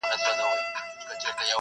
دولت باید د تخنیک د ودي لپاره کار وکړي.